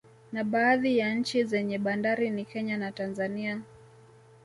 Na baadhi ya nchi zenye bandari ni Kenya na Tanzania